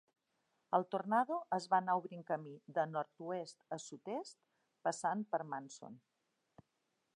El tornado es va anar obrint camí de nord-oest a sud-est passant per Manson.